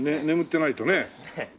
眠ってないとね。